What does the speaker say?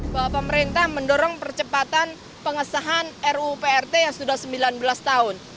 bahwa pemerintah mendorong percepatan pengesahan ruprt yang sudah sembilan belas tahun